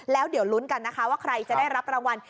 แล้วเดี๋ยวลุ้นกันนะคะว่าใครจะได้รับรางวัล